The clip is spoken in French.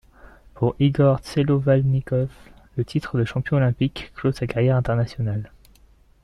Pour Igor Tselovalnikov, le titre de Champion olympique clôt sa carrière internationale.